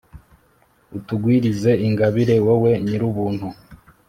utugwirize ingabire wowe nyirubuntu